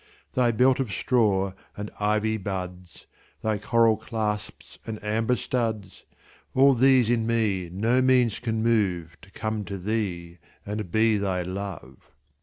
Thy belt of straw and ivy buds, Thy coral clasps and amber studs,—All these in me no means can moveTo come to thee and be thy Love.